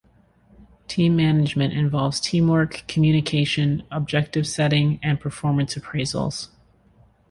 Team management involves teamwork, communication, objective setting and performance appraisals.